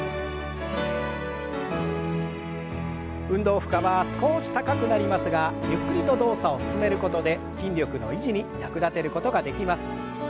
運動負荷は少し高くなりますがゆっくりと動作を進めることで筋力の維持に役立てることができます。